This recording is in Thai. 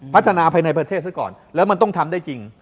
พัฒนาภายในประเทศซะก่อนแล้วมันต้องทำได้จริง